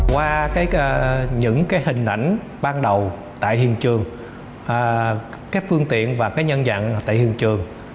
qua những hình ảnh ban đầu tại hiện trường các phương tiện và nhân dạng tại hiện trường